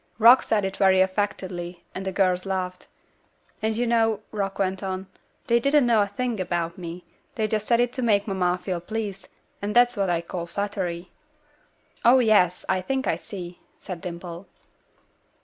'" Rock said this very affectedly, and the girls laughed. "And you know," Rock went on, "they didn't know a thing about me; they just said it to make mamma feel pleased, and that's what I call flattery." "Oh, yes; I think I see," said Dimple.